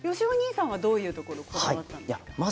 お兄さんはどういうところこだわったんですか？